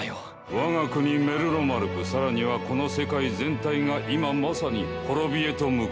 我が国メルロマルク更にはこの世界全体が今まさに滅びへと向かいつつある。